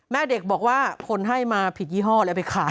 แม่เด็กบอกว่าคนให้มาผิดยี่ห้อแล้วไปขาย